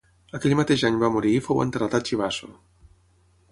Aquell mateix any va morir i fou enterrat a Chivasso.